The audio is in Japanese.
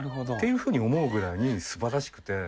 ふうに思うぐらいにすばらしくて。